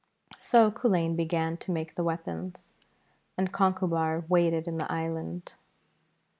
So Culain began to make the weapons, and Conchubar waited in the island.